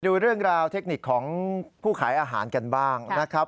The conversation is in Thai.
ดูเรื่องราวเทคนิคของผู้ขายอาหารกันบ้างนะครับ